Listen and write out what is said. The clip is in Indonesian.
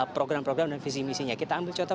program program dan visi misinya kita ambil contoh